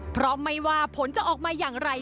เพราะไม่ว่าผลจะออกมาอย่างไร